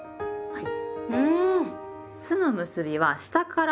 はい。